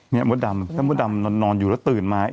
นี่มัวดำมัวดำนอนอยู่แล้วตื่นมา